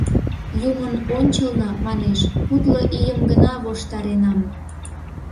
— Юмын ончылно, манеш, кудло ийым гына воштаренам.